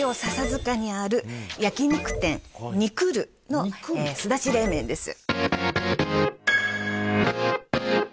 笹塚にある焼肉店にくるのすだち冷麺です